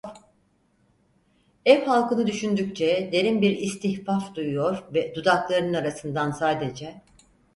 Ev halkını düşündükçe derin bir istihfaf duyuyor ve dudaklarının arasından sadece: